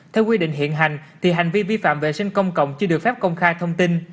theo quy định hiện hành thì hành vi vi phạm vệ sinh công cộng chưa được phép công khai thông tin